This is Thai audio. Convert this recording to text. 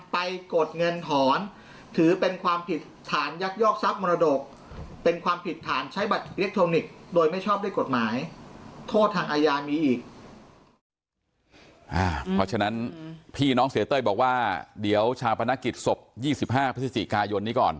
เพราะฉะนั้นพี่น้องเสียเต้ยบอกว่าเดี๋ยวชาปนกิจศพ๒๕พฤศจิกายนนี้ก่อน